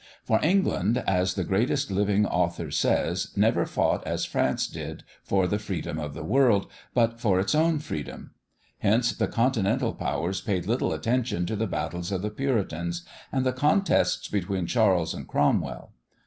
For England, as the greatest living author[B] says, never fought as France did for the freedom of the world, but for its own freedom. Hence the continental powers paid little attention to the battles of the Puritans, and the contests between Charles and Cromwell.